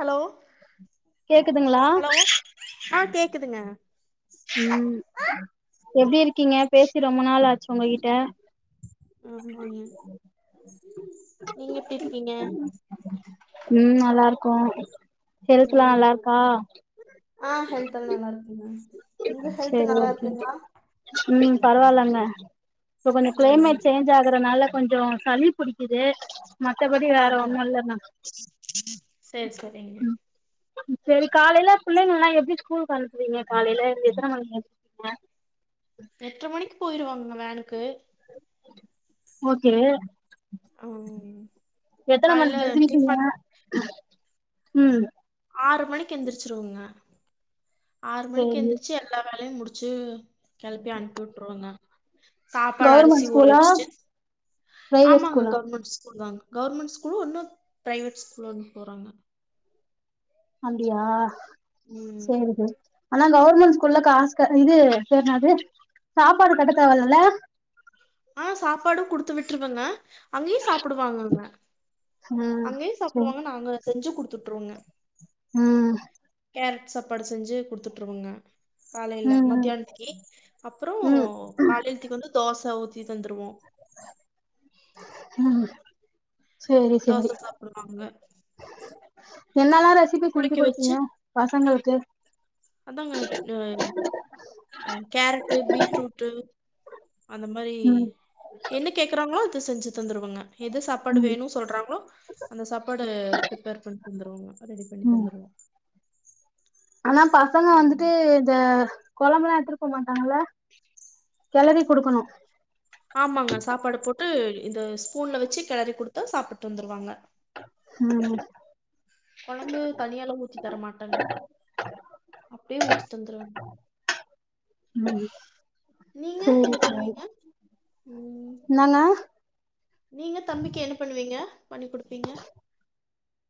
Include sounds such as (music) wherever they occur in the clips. Hello கேக்குதுங்களா hello ஆ கேக்குதுங்க உம் எப்டி இருக்கீங்க பேசி ரொம்ப நாளாச்சு ஒங்ககிட்ட ஆமாங்க உம் நீங்க எப்டி இருக்கீங்க உம் நல்லாருக்கோ ஹெல்த்லா ம் நல்லாருக்கா? ஆ ஹெல்த்லா நல்லாருக்குங்க உங்க ஹெல்த் நல்லாருக்குங்ளா? உம் பரவால்லங்க இப்ப கொஞ்சோ ம் கிளைமேட் சேஞ்ச் ஆ இருக்கறனால கொஞ்சோ சளி புடிக்கிது மத்தபடி வேற ஆமா ஒன்னுல்லங்க சேரி சேரிங்க சேரி காலைல புள்ளைங்கல்லா எப்டி ஸ்கூல்க்கு அனுப்புவீங்க காலையில எத்தனை மணிக்கி எட்ர மணிக்கு போயிருவாங்க வேனுக்கு ஓகே ம் எத்தன காலைல மணிக்கி எழ்துவிக்கி டிஃபன் ய ம் ஆறு மணிக் எந்திரிச்சுருவ்ங்க ஆறு மணிக்கி செரி எந்திர்ச்சி எல்லா வேலையு முடிச்சு கெள்ப்பி அன்ப் உட்ரோவங்க சாப்பாட் கவர்மெண்ட் அரிசி ஊற ஸ்கூலா வச்ட்டு பிரைவேட் ஆமாங்கு ஸ்கூலா கவ்ர்மண் ஸ்கூல் தாங்க கவ்ர்மண் ஸ்கூல் உன்னு ப்ரைவேட் ஸ்கூல ஒன்னு போறாங்க அப்டியா ம் சேரிகு ஆனா கவ்ர்மெண் ஸ்கூல்ல காஸ்க இது பேர் நாது சாப்பாடு கட்ட தேவல்லல ஆ சாப்பாடு குடுத்து விட்ருவங்க அங்கே சாப்டுவாங்கங்க ம் அங்கெய் சேரி சாப்டுவாங்க நாங்க செஞ்சு குடுத்துட்றோங்க அ கேரட் சாப்பாடு செஞ்சு குடுத்ததுட்ரோவுங்க காலைல ம் ம் மத்யான்த்திக்கி அப்றோ ம் காலேஜ்திக் வந்து தோச ஊத்தி தந்துருவோ உஉ தோச சாப்டுவாங்க என்னல்லா ரெசிபி செஞ்சு குளிக்க குடுப்பீங்க பசங்கள்க்கு அதாங்கட் நன் அ கேரட்டு பீட்ரூட்டு அந்த மாரி ம் என்ன கேக்குறாங்ளோ அத செஞ்சிட் தந்துருவுங்க எது சாப்பாடு ம் வேணு சொல்றாங்ளோ அந்த சாப்பாடு ப்ரிபேர் பண் தந்துருவோங்க அத் ரெடி பண்ணி ம் தந்துருவோ ஆனா பசங்க வந்துட்டு இத கொழம்புல்லா எடுத்துட்டு போவாட்டாங்கள ஆமாங்க சாப்பாடு போட் த்து இத ஸ்பூன்ல வச்சி கெளறி குடுத்தா சாப்பிட் வந்துருவாங்க ஹும் கொழம்பு தனியாலா ஊத்தி தரமாட்டேங்க அப்டியே ஊத்தி தந்துருவென் ம் நீங்க சேரி என்ன பண்ணுவீங்க ம் நாங்க நீங்கள தம்பிக்கி என்ன பண்ணுவீங்க பண்ணி் குடுப்பீங்க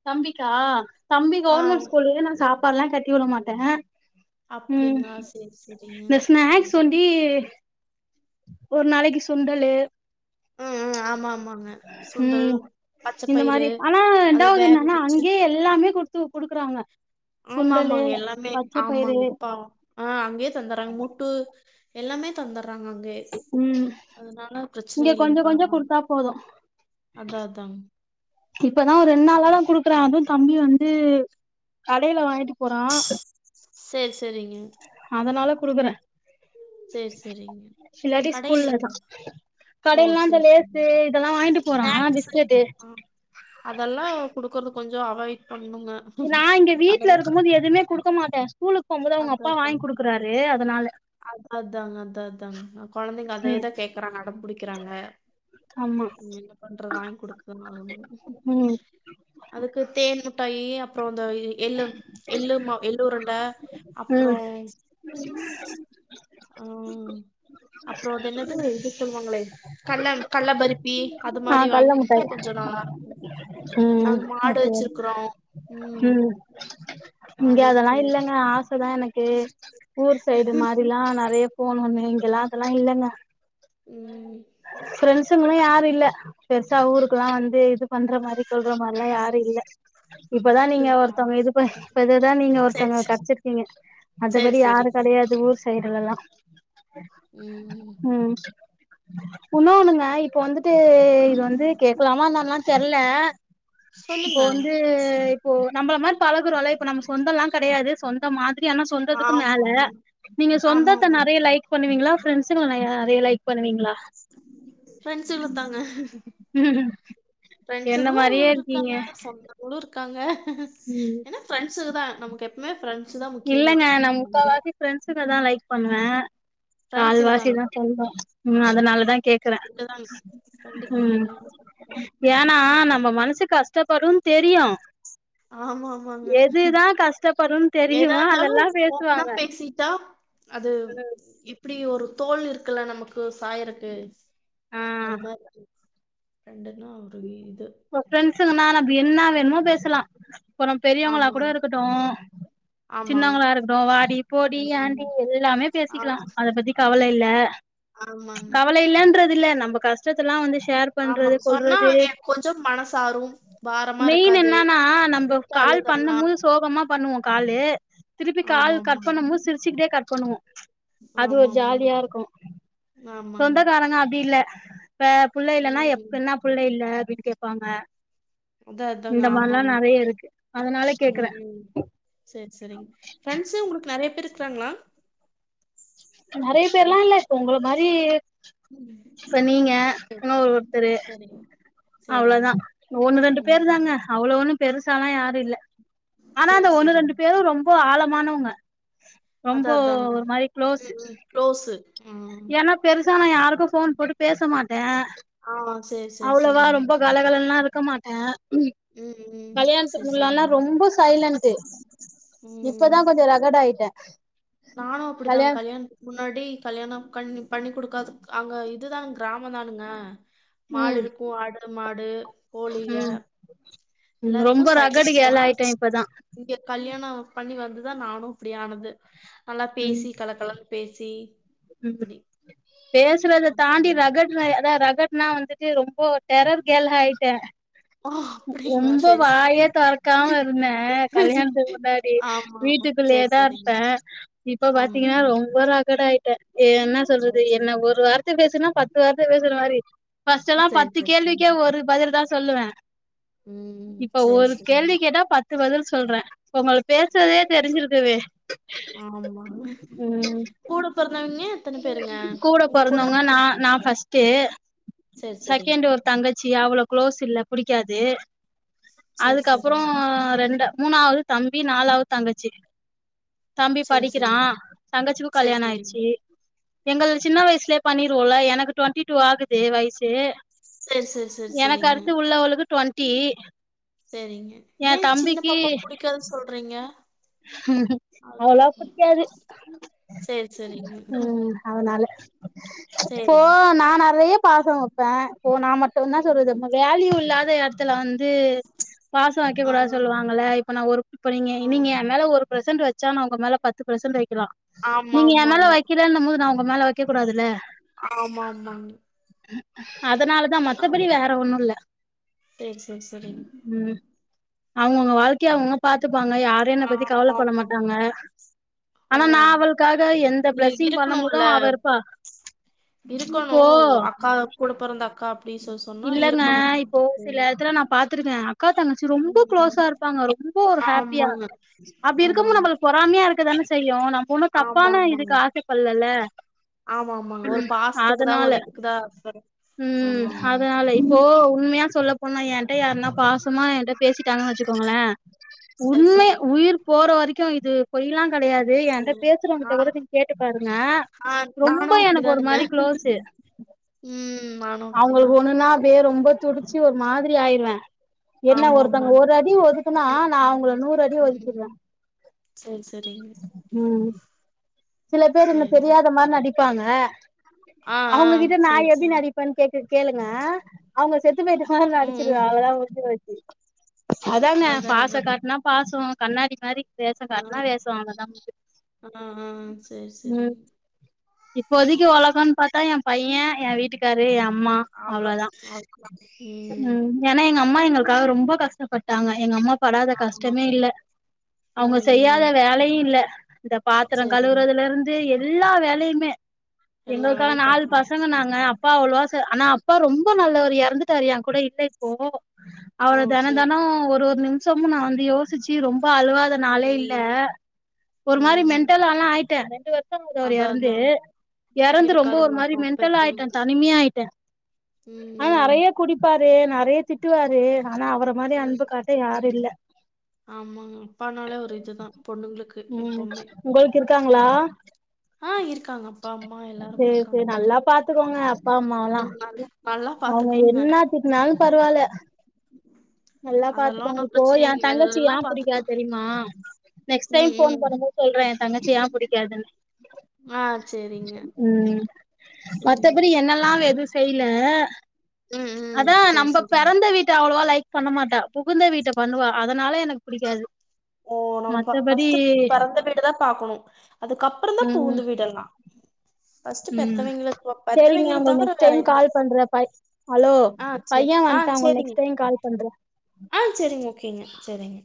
தம்பிக்கா தம்பி ஆ கவ்ர்மண் ஸ்கூல்லுயே நா சாப்பாட்ல்லா கட்டி விட மாட்டே ம்ஹு அப்படிங்களா சரி சரிங்க. இந்த ஸ்நாக்ஸ் ம். ஒண்டி ஒரு நாளைக்கு சுண்டலு ம் ம் ஆமா ஆமாங்க சுண்டல் ம் இந்த பச்சப்பயிறு மாரி ஆனா அத ரெண்டாவது என்னன்னா வேகவெச்சு அங்கயே எல்லாமே குடுத்து குடுக்குறாங்க ஆமா சுண்டலு ஆமாங்க எல்லாமே பச்ச பயிறு ஆமாங்க இப்பா ஆ அங்யே தந்துறாங் முட்டு எல்லாமே தந்துறாங் அங்கே அதனால ப்ரத் இங்கே கொஞ்சு கொஞ்சு குடுத்தா போது அத்தா அதா இப்பதா ஒ ரெண் நாளாதா குடுக்றே அது தம்பி வந்து கடைய்ல வாங்கிட்டு போறா செர் செரிங்க அதனால குடுக்குறே சரி, சரிங்க. இல்லாட்டி ஸ்கூல்லதா கடையிலயா? கடைய்லா இந்த லேசு இதெல்லா வாய்ன்ட்டு ஆம் அதல்லா குடுக்குற்து கொஞ்சோ அவாய்ட் பண்ணுங்க நான் இங்கே வீட்ல அதெல்லாம் இருக்கும் போத் எதுமே குடுக்க மாட்டே ஸ்கூலுக் போம்போது அவ்ங் அப்பா வாய்ன் குடுக்குறாரு அதனால அத் அத்தாங்க அத்தா அத்தாங்க நா கொழந்தைங்க ம் அதேதா கேக்குறாங்க அடம் புடிக்கிறாங்க ஆமா உ என்ன பண்ற வாய் குடுத் தன ஆகனு ம் அதுக்கு தேன் முட்டாய்யி அப்றோ இந்த எள்ளு எள்ளு மாவு எள்ளுரண்ட ம் அப்றோ ஆ அப்றோ அது என்னது இது சொல்லுவாங்களே கல்லம் கல்ல பருப்பி அது ஆ மாரி கல்ல வாங்கிகுடுத்தா முட்டாய் கொஞ்சோ நல்லா இருக்கு ம் நாங் மாடு ஓகே வச்சிருக்கறோ ம் இங்க அதெல்லா இருக்கு இல்லங்க ஆச தா எனக்கு ஊர் சைடு மா ரி எல்லா நெறையா ஃபோன் ஒண்ணு இங்கெல்லா அதெல்லா இல்லங்க ம் ஃப்ரெண்சுங்களு யாரு இல்ல பெருசா ஊருக்குல்லா வந்து இது பண்ற மாரி கொல்ற மாரிலா யாரு இல்ல இப்பதா நீங்க அப்டிங்களா ஒருத்தவங்க இதுப்ப இப்ப இதுதா நீங்க சேரி ஒருத்தவங்க சேரி கெட்ச்சிருக்கீங்க சேரி மத்தபடி யாரு சேரிங்க கெடையாது ஊர் சைடுலயெல்லா ம் ம் உண்ணோனுங்க இப்ப வந்துட்டு இது வந்து கேக்கலாமா என்னானுலா தெரியல சொல்லுங்க த இப்போ நம்மள மாரி பழகுறோல்ல இப்ப நம்ம சொந்தோல்லா கெடையாது சொந்த மாரி ஆனா சொந்ததுக்கு மேல ஆமாமா நீங்க சொந்தத்த ஆமாமா நெறையா லைக் பண்ணுவீங்களா ஃப்ரெண்டஸுங்கள நெறையா லைக் பண்ணுவீங்களா ப்ரெண்ட்சுங்கள தாங்க என்ன ப்ரெண்ட்ஸுகளு மாரியே இருக்கீங்க இருக்காங்க சொந்த ளு இருக்காங்க ம் ஏனா ப்ரெண்ட்சுக்கு தா நமக்கு எப் பவுமே ஃப்ரெண்ட்ஸ் தா முக்கியேங்க ப்ரெண்ட்சுங்க தா லைக் பண்ணுவே ஃப்ரெண்ட்ஸுக கால்வாசிதா சொந்தோ ம் அதனாலதா கே அதுதான் ப்ரெண்டுக்கு வேண்டிய என்ன ஏனா நம்ம மனசு கஷ்டப்படும்னு தெரியு ஆமா ஆமாங்க எதுதா கஷ்டப்படுன் எதா தெரியுமோ இருந்தாலு அதெல்லா ஓப்னா பேசுவாங்க பேசிட்டா அது இப்டி ஒரு தோல் இருக்குல்ல நமக்கு சாயறக்கு ஆ அது மாரி தா ஃப்ரெண்டுனா ஒரு இது இப்ப ப்ரெண்ட்சுங்கனா நம்ம என்ன வேணுமோ பேசலா இப்ப நம்ம பெரியவங்களா கூட ஆமாங்க. இருக்கட்டு ஆமாங்க. சின்னவங்களா இருக்கட்டு வாடி போடி ம். ஆண்டி எல்லாமே ஆ பேசிக்கலா அத பத்தி கவல இல்ல ஆமாங்க. கவல இல்லன்றது இல்ல நம்ம கஷ்டத்தயெல்லா வந்து ஷேர் ஆமா. பண்றது சொன்னா கொல்றது எனக்கு கொஞ்சம் மனசாரும் பாரமா மெயினு இருக்காது. என்னனா நம்ம விட்டு கால் பண்ணும் அழுதரலாம். போது சோகமா பண்ணுவோ காலு திருப்பி கால் கட் ஆமாமாங்க. பண்ணும்போது சிரிச்சிகிட்டே கட் பண்ணுவோ அது ஒரு ஆமாமாங்க. ஜாலியாயிருக்கு ஆமாங்க. ஆமாங்க சொந்தக்காரங்க அப்டி இல்ல இப்ப புள்ள இல்லனா எப் ம். என்ன புள்ள இல்ல அப்டின்னு கேப்பாங்க அதான் அதாங்க. இந்த மாரிலா ஆமாங்க. நெறையா இருக்கு அதனால கேக்குறே சேரி சேரிங்க ஃப்ரெண்ட்ஸு உங்களுக்கு நெறையா பேரு இருக்கிறாங்களா நெறையா பேர்லா இல்ல எனக்கு உங்கள மாரி ம் இப்ப நீங்க செரி இன்னோ செரி ஒருத்தரு செரிங் அவ்ளோதா ஒன்னு ரெண்டு பேரு தாங்க அவ்வளோ ஒன்னு பெருசாலா யாரு இல்ல ஆனா சரி, அந்த ஒன்னு சரிங்க. ரெண்டு பேரு ரொம்போ ஆழமானவங்க ரொம்ப ஒரு மாரி க்ளோஸு க்லோஸு ஏனா பெருசா நா யாருக்கு ஃபோன் போட்டு பேச மாட்டே ஆ சரி, சரி, அவ்வளவா சரிங்க. ரொம்ப கலகலன்ல்லா இருக்க மாட்டேன் உம் உம் கல்யாணத்துக்குல்லாம்னா ரொம்ப சைலன்ட் இப்பதான் கொஞ்சம் ரகட் ஆயிட்டேன் நானும் அப்படிதான்க்கா கல்யாண்த்கு முன்னாடி கல்யாணோ கண் பண்ணி குடுக்காது அங்க இதுதா கெராமோ தானுங்க மாடு ம் இருக்கூ ஆடு மாடு கோழிக ம் ம் எல்லாயிருக்கு ரொம்ப ரகடு சைலன்டா கேர்ள் ஆயிட்டே இப்பதா இங்க கல்யாணோ பண்ணி வந்துதா நானு இப்டி ஆனது நல்லா பேசி கல கலன் பேசி உம் இப்டி பேசுறத தாண்டி ரகட்னா அதா ரகட்னா வந்துட்டு ரொம்போ டேரர் கேள் ஆயிட்டே ஆ அப்டிங்களா ரொம்போ செரி செரி வாய தொறக்காம இருந்தே கல்யாண்த்துக்கு முன்னா டி ஆமா ஆமா செரி வீட்டுக்குள்ளேயேதா செரிங்க இர்ப்ப இப்போ ஆமா பாத்தீங்ன்னா ம் ரொம்போ ரகடா ஆயிட்டே ஏ என்ன சொல்றது செரி என்ன செரிங்க ஒரு வார்த்த பேசுனா பத்து வார்த்த பேசுறமாரி ஃபஸ்ட் எல்லா செரி பத்து செரி செரிங்க கேள்விக்கே ஒரு பதில் தா சொல்லுவே ம் இப்ப செரி ஒரு செரிங்க கேள்வி கேட்டா பத்து பதில் சொல்றே உங்கள பேசுற்தே தெரிஞ்சிருக்குமே ஆமா கூட பொறந்தவைங்க எத்தன பேருங்க உங்க கூட நா நா ஃபஸ்ட் ட்டு சேரி சேரிங்க செகண்ட்டு ஒரு தங்கச்சி அவ்ளோ குளோஸ் இல்ல புடிக்காது சேரி அதுக்கப்றோ சேரிங்க ரெண்டு மூனாவ்து தம்பி நாலாவ்து தங்கச்சி தம்பி சேரி படிக்கிறா சேரிங்க தங்கச்சிக்கு சேரி கல்யாணோ சேரிங்க ஆயிச்சி எங்கள் சின்ன வயசுலயே பண்ணிருவோல எனக்கு டுவெண்ட்டி டூ ஆகுது வயசு சேர் சேர் சரி எனக்கு செரிங்க அடுத்து உள்ளவளுக்கு டுவென்டி செரிங்க ஏ சின்ன பாப்பாக் புடிக்காது சொல்றீங்க அது அவ்ளோ புடிக்காது சேரி சேரிங்க உம் அதனால இப்போ சேரிங்க நா நெறைய பாசோ வேப்பே இப்போ நா மட்டு நா சொல்றது ம் (unintelligible) வேலியு இல்லாத எத் த்துல வந்து பாசோ வெக்க ஆ கூடாது சொல்வாங்கல இப்ப நா ஒரு இப்ப நீங்க ஆ நீங்க என்மேல ஒரு பிரசன்ட் வச்சா நா உங்க மேல பத்து பிரசன்ட் வெக்லா ஆமா நீங்க எ மேல ஆமாங்க வக்கலன்னும்போது நா உங்க மேல வக்க கூடாதுல ஆமா ஆமாங்க அதனாலதா மத்தபடி வேற ஒண்ணுல்ல சேர் சேர் சரி அவுங்கவுங்க வாழ்க்கய அவுங்க பாத்துப்பாங்க யாரு என்ன ஆ பத்தி ஆமா ஆமா கவலப்படமாட்டாங்க ஓ ஆனா நா அவளுக்காக எந்த இல்ல பிளஸ்ஸிங் பண்ணும் போது அவ இருக்கணும்ல இருப்பா இருக்கணு இப்போ அக்கா கூட பொறந்த அக்கா அப்டி சொ சொன்னா இல்லங்க இருக்கணு இப்போ சில எடத்துல நா பாத்துருக்கே அக்கா தங் ரொம்ப ம் குளோஸா இருப்பாங்க ரொம்ப ஒரு ஹேப்பியா ஆமாங்க அப்டி இருக்கப்போ ஆமாங்க நம்மளுக் காமியா இருக்கதானே செய்யு நம்ப ஒண்ணு ஆமா தப்பான ஆமாங்க இதுக்கு ஆசைப்பல்லள ஆமா ஆமா ஒரு பாசத்துக்கு தா ஒரு இதுக்குதா ஹஸ்பண்ட் ம் ஆமா ஆமாங்க அதனால இப்போ உண்மயா சொல்ல என்ட்ட யார்னா பாசமா என்ட்ட பேசிட்டாங்க வெச்சுக்கோங்ளே சரி உண்மய சரிங்க உயிர் போற வரைக்கு இது பொய்ல்லா கெடயாத் இது என்ட சரி ஆ பேசுறவங்கிட்ட கூட நீங்க கேட்டு பாருங்க ஆ நானு ரொம்போ எனக்கு ஒரு அப்டிதானுங்க மாரி குளோஸூ ம் நானு அப்டிதா அவுங்களுக்கு ஒண்ணுனா அப்டே ரொம்போ துடிச்சு ஒரு மாதிரி ஆயிருவே என்ன ஆமா ஒருத்தங்க ஆமாங்க ஒரு அடி ஒது குன்னா நா அவங்கள நூறு அடி ஒதுக்கிருவே ம் சரி சரிங்க ம் சில பேர் என்ன சரிங்க தெரியாத மாரி நடிப்பாங்க ஆ ஆ அவுங்ககிட்ட நா சரி எப்டி சரி நடிப் எப்பன் கேட்டு கேளுங்க அவுங்க செத்து போயிட்ட மாரி ம் நடிச்சிருவே ம் அவ்ளோதா முடிஞ்சி போச்சு அதாங்க அதா பாசோ அதாங்க காட்னா பாசோ கண்ணாடி மாரி வேசோ ஆ காட்னா வேசோ அவ்ளோதா ஆ ஆ சரி ம் சரிங்க இப்போதிக்கு ஒலகோன் பாத்தா எ பய்ய எ வீட்டுக்காரு எ அம்மா அவ்ளோ அவ்ளோதா அவ்ளோதான் ம் ஏன்னா எங்க அம்மா எங்களுக்காக ரொம்போ கஷ்டப்பட்டாங்க எங்க அம்மா படாத ஆமா. கஷ்டமே இல்ல அவுங்க செய்யாத ம் வேலையுயில்ல இந்த பாத்ரோ சரிங்க துல இர்ந்து எல்லா வேலையுமே எல்லா எங்களுக்காக வேலையு நாலு பாக்குறாங்க பசங்க நாங்க அப்பா அவ்வளவா செ ஆனா அப்பா ரொம்ப நல்லவரு யரந்துட்டாரு யன்கூட இல்ல இப்போ ஓ அவர சரி தெனந்தெனோ சரி ஒரு ஒரு நிம்ஷமு நா வந்து யோஷிச்சி ரொம்ப அழுவாத நாளே இல்ல ம் ஒரு ம் மாரி ம் மென்டலாலா ஆயிட்டே (unintelligible) அவரு அதா யறந்து அதா யறந்து ரொம்ப ஒரு இருக்காதுங்க மாரி அப்ப அப்ப மென்டலா இருக்கவங்க ஆயிட்டே தனிமையா ஆயிட்டே ம் ஆனா ம் நறைய குடிப்பாரு நறைய திட்டுவாரு ஆனா அவர மாரி அன்பு ம். காட் ட யாரு இல்ல ஆமாங்க அப்பானாலே ஒரு இதுதா பொண்ணுங்ளுக்கு ம் எப்போமே உங்களுக்கு இருக்காங்களா இருக்காங்க அப்பா அம்மா செரி செரி நல்லா பா த்துகோங்க மூனு நாளு அவுங்க என்னாத்திட்னாலு பருவால்ல நல்லா அதெல்லா பாத்துக்கோங்க ஒன்னு இப்போ பிரச்சன ஏன் இல்ல தங்கச்சி எல்லா ஏன் புடிக்காது பாத்துக்கலா தெரியுமா நெக்ஸ்ட் டைம் ம் ஃபோன் ம் பண்ணுபோது சொல்றே என் தங்கச்சி ஏன் புடிக்காதுனு ஆஹ் செரிங்க ம் மத்தபடி என்னல்லாம் எதும் செய்ல ம், ம். அதா சரி, நம்ப சரிங்க. பெறந்த வீட்ட அவ்ளோவா லைக் பண்ணமாட்டா புகுந்த வீட்ட பண்ணுவா அதனால எனக் பிடிக்காது ஓ நம்ம ஃபர்ஸ்ட் பெறந்த வீட தா பாக்கணு அதுக்கப்றந்தா ம் புகுந்து வீட எல்லா ம் செரிங்களா பெத்தவைங்கள உங்கள தவிர நெக்ஸ்ட் வேற டைம் என்ன கால் பண்றே பாய் ஹலோ ஆ சரி. பையே வன்ட்டா உங்கள நெக்ஸ்ட் டைம் கால் பண்றே ஆஹ் செரிங்க ஓகேங்க செரிங்க